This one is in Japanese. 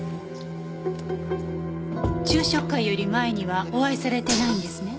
昼食会より前にはお会いされてないんですね？